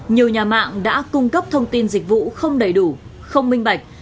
nhiều nhà mạng đã cung cấp thông tin dịch vụ không đầy đủ không minh bạch